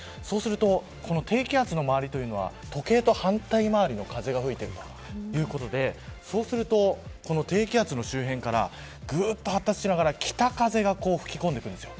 そうすると、この低気圧の周りは時計と反対回りの風が吹いているということで低気圧の周辺から発達しながら北風が吹き込んでくるんです。